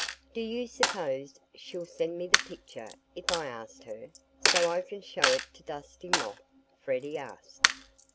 "Do you suppose she'll send me the picture, if I ask her, so I can show it to Dusty Moth?" Freddie asked.